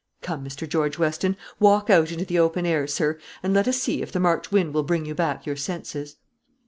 Come, Mr. George Weston, walk out into the open air, sir, and let us see if the March wind will bring you back your senses."